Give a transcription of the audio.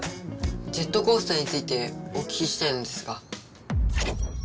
ジェットコースターについてお聞きしたいのですが。